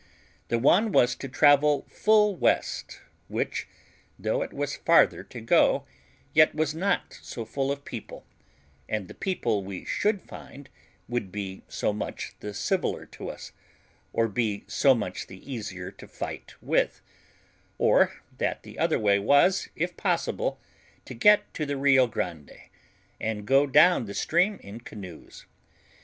The one was to travel full west, which, though it was farther to go, yet was not so full of people, and the people we should find would be so much the civiller to us, or be so much the easier to fight with; or that the other way was, if possible, to get to the Rio Grande, and go down the stream in canoes.